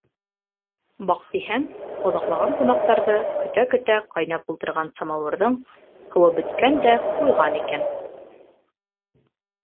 Баҡтиһәң, оҙаҡлаған ҡунаҡтарҙы көтә-көтә ҡайнап ултырған самауырҙың һыуы бөткән дә ҡуйған икән.